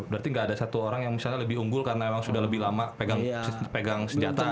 berarti nggak ada satu orang yang misalnya lebih unggul karena memang sudah lebih lama pegang senjata